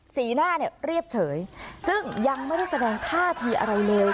สีหน้าเนี่ยเรียบเฉยซึ่งยังไม่ได้แสดงท่าทีอะไรเลย